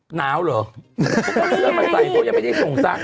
หนาวเหรอแล้วมาใส่พวกย้ำไม่ได้ส่งซักใช่ไหม